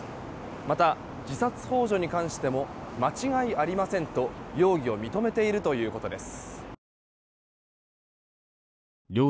また、自殺幇助に関しても間違いありませんと容疑を認めているということです。